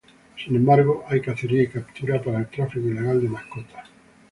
Sin embargo, hay cacería y captura para el tráfico ilegal de mascotas.